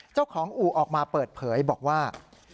เจ้าของอู่ออกมาเปิดเผยบอกว่า